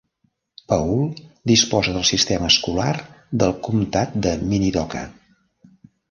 Paul disposa del sistema escolar del comtat de Minidoka.